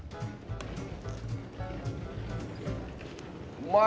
うまい！